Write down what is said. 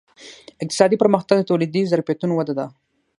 اقتصادي پرمختګ د تولیدي ظرفیتونو وده ده.